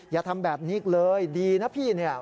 อย่าทำแบบนี้อีกเลยดีนะพี่เนี่ย